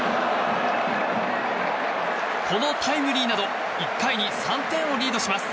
このタイムリーなど１回に３点をリードします。